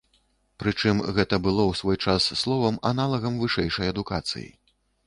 Прычым гэта было ў свой час словам-аналагам вышэйшай адукацыі.